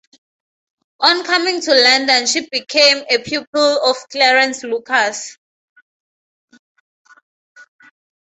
On coming to London she became a pupil of Clarence Lucas.